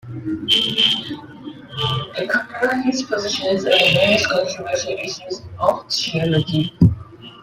They cover his positions on various controversial issues of theology.